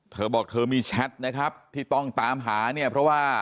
เธอบอกเธอมีแชทนะครับที่ต้องตามหาเนี่ยเพราะว่า